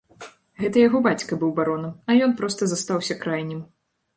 Гэта яго бацька быў баронам, а ён проста застаўся крайнім.